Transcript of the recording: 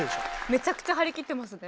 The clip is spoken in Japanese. めちゃくちゃ張り切ってますね。